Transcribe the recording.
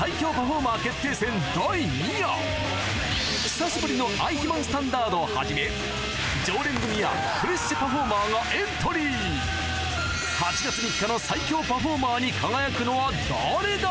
久しぶりのアイヒマンスタンダードをはじめ常連組やフレッシュパフォーマーがエントリー８月３日の最強パフォーマーに輝くのは誰だ？